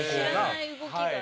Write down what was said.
知らない動きが。